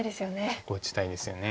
そこ打ちたいですよね。